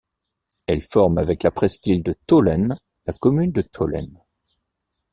Elle forme avec la presqu'île de Tholen la commune de Tholen.